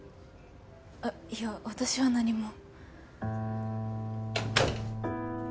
あっいや私は何も。